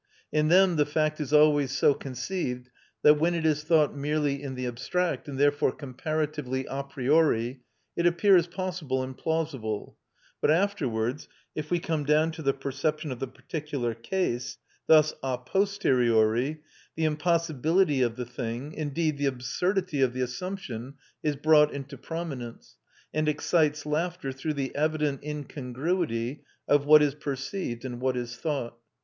In them the fact is always so conceived that when it is thought merely in the abstract, and therefore comparatively a priori, it appears possible and plausible; but afterwards, if we come down to the perception of the particular case, thus a posteriori the impossibility of the thing, indeed the absurdity of the assumption, is brought into prominence, and excites laughter through the evident incongruity of what is perceived and what is thought.